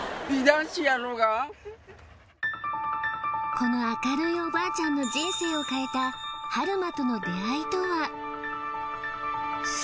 この明るいおばあちゃんの人生を変えた春馬との出会いとは？